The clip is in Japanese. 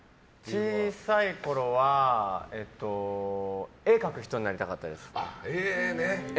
小さいころは絵を描く人になりたかったです。